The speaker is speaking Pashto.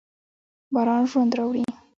باران ژوند راوړي.